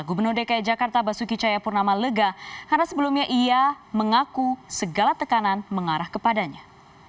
gubernur dki jakarta basuki cayapurnama lega karena sebelumnya ia mengaku segala tekanan mengarah kepadanya